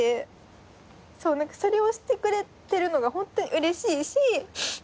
それをしてくれてるのがホントにうれしいし。